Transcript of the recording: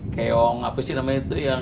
keong apa sih namanya itu yang